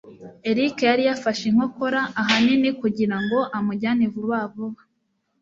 Eric yari yafashe inkokora, ahanini kugirango amujyane vuba vuba.